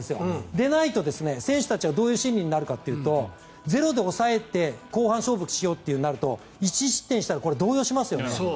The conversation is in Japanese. でないと、選手たちはどんな心理になるかというとゼロで抑えて後半勝負しようとなると１失点したら動揺しますよね。